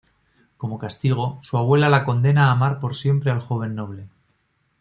Como castigo, su abuela la condena a amar por siempre al joven noble.